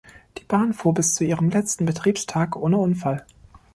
Die Bahn fuhr bis zu ihrem letzten Betriebstag ohne Unfall.